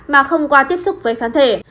mà không qua tiếp xúc với kháng thể